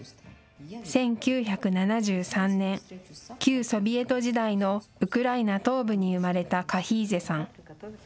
１９７３年、旧ソビエト時代のウクライナ東部に生まれたカヒーゼさん。